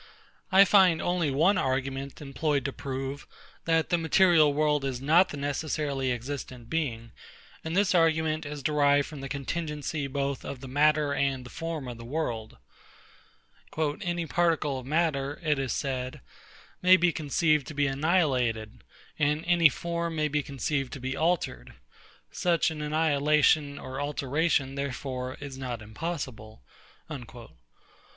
I find only one argument employed to prove, that the material world is not the necessarily existent Being: and this argument is derived from the contingency both of the matter and the form of the world. "Any particle of matter," it is said[]Dr. Clarke, "may be conceived to be annihilated; and any form may be conceived to be altered. Such an annihilation or alteration, therefore, is not impossible."